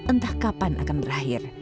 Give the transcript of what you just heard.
entah kapan akan berakhir